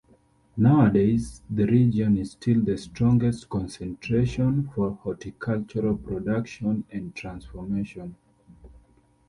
Nowadays, the region is still the strongest concentration for horticultural production and transformation.